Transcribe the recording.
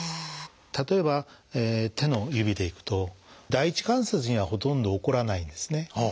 例えば手の指でいくと第一関節にはほとんど起こらないんですね。